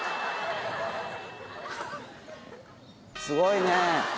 すごいね！